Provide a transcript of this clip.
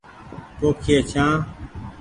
پوکئي ڇآن ۔